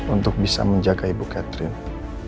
untuk bisa menjaga ibu catherine